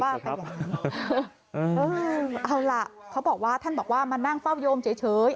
ไปอย่างนั้นเอาล่ะเขาบอกว่าท่านบอกว่ามานั่งเฝ้าโยมเฉย